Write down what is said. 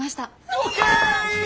ＯＫ！